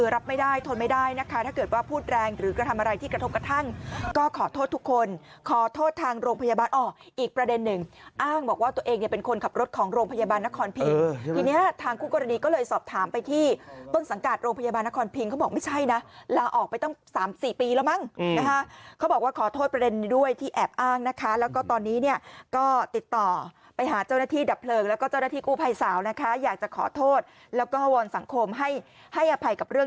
รับไม่ได้ทนไม่ได้นะคะถ้าเกิดว่าพูดแรงหรือก็ทำอะไรที่กระทบกระทั่งก็ขอโทษทุกคนขอโทษทางโรงพยาบาลอีกประเด็นหนึ่งอ้างบอกว่าตัวเองเนี่ยเป็นคนขับรถของโรงพยาบาลนครพิงทีเนี่ยทางคู่กรดีก็เลยสอบถามไปที่เบื้องสังกาลโรงพยาบาลนครพิงเขาบอกไม่ใช่นะลาออกไปตั้งสามสี่ปีแล้วมั้งเขาบอกว่าขอโท